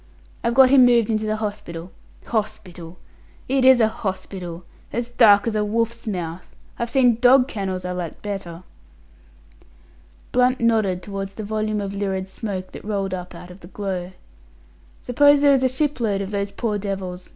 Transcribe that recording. "I've got him moved into the hospital. Hospital! It is a hospital! As dark as a wolf's mouth. I've seen dog kennels I liked better." Blunt nodded towards the volume of lurid smoke that rolled up out of the glow. "Suppose there is a shipload of those poor devils?